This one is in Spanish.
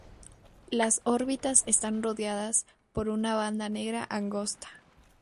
Las órbitas están rodeadas por una banda negra angosta.